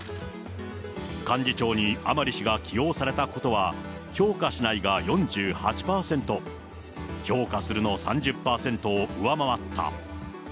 幹事長に甘利氏が起用されたことは評価しないが４８％、評価するの３０％を上回った。